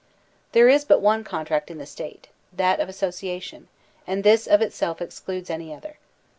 There is but one contract in the State — that of asso ciation ; and this of itself excludes any other.